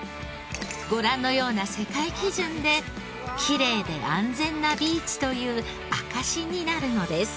ご覧のような世界基準できれいで安全なビーチという証しになるのです。